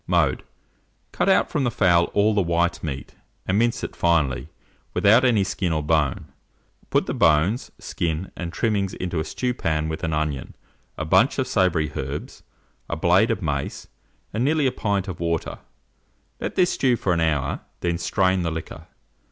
Mode. Cut out from the fowl all the white meat, and mince it finely without any skin or bone; put the bones, skin, and trimmings into a stewpan with an onion, a bunch of savoury herbs, a blade of mace, and nearly a pint of water; let this stew for an hour, then strain the liquor.